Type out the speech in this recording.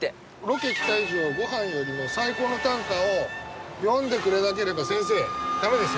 ロケ来た以上ごはんよりも最高の短歌を詠んでくれなければ先生駄目ですよね？